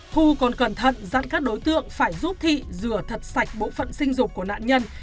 thu còn cẩn thận dặn các đối tượng phải giúp thị rửa thật sạch bộ phận sinh dục của nạn nhân